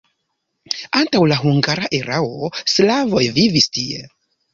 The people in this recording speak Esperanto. Antaŭ la hungara erao slavoj vivis tie.